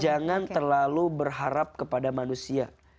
karena terlalu berharap kepada manusia